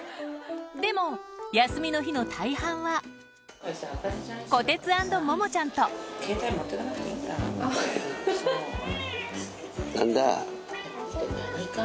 でも休みの日の大半はこてつ＆ももちゃんと何だ？